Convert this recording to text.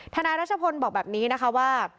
นายรัชพลบอกแบบนี้นะคะว่า